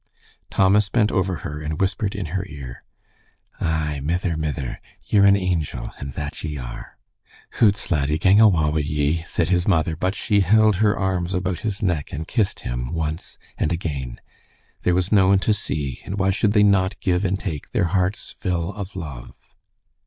Thomas bent over her and whispered in her ear, "Ay, mither, mither, ye're an angel, and that ye are." "Hoots, laddie, gang awa wi' ye," said his mother, but she held her arms about his neck and kissed him once and again. There was no one to see, and why should they not give and take their heart's fill of love.